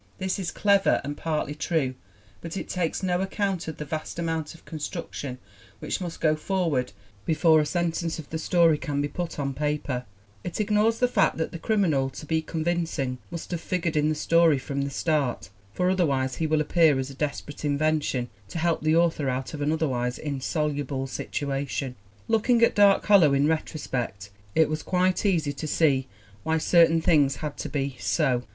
This is clever and partly true, but it takes no account of the vast amount of construction which must go forward before a sentence of the story can be put on paper; it ignores the fact that the criminal, to be convincing, must have figured in the story from the start, for otherwise he will appear as a desperate invention to help the author out of an otherwise insoluble situation. Looking at Dark Hollow in retrospect it is quite easy to see why certain things had to be so.